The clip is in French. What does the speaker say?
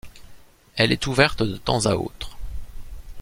Elle est ouverte de temps à autre.